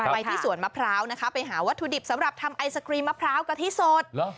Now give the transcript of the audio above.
ไปที่สวนมะพร้าวนะคะไปหาวัตถุดิบสำหรับทำไอศครีมมะพร้าวกะทิสด